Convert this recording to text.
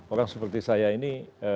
orang seperti saya ini